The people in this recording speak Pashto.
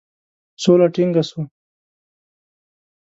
سوله ټینګه سوه.